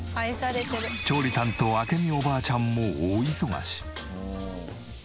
調理担当明美おばあちゃんも大忙し！